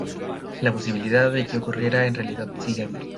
La posibilidad de que ocurriera en realidad sigue abierta.